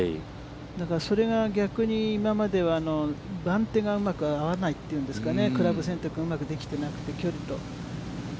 だから、それが逆に今までは番手がうまく合わないというんですかね、クラブ選択がうまくできてなくて、距離と。